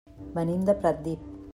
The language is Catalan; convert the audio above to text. Venim de Pratdip.